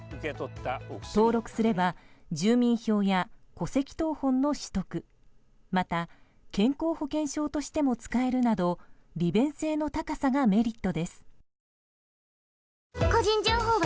登録すれば住民票や戸籍謄本の取得また健康保険証としても使えるなど利便性の高さがメリットです。